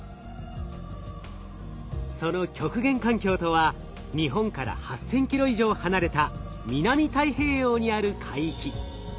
その極限環境とは日本から８，０００キロ以上離れた南太平洋にある海域。